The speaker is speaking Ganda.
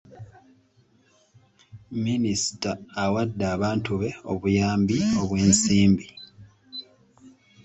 Minisita awadde abantu be obuyambi obw'ensimbi.